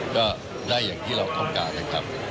ก็ได้อย่างที่เราต้องการนะครับ